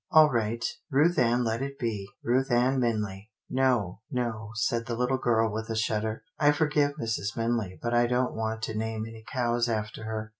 " All right, Ruth Ann let it be, Ruth Ann Min ley?" No, no," said the little girl with a shudder. " I forgive Mrs. Minley, but I don't want to name any cows after her.